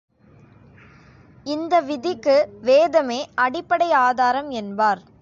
இந்த விதிக்கு வேதமே அடிப்படை ஆதாரம் என்பார்.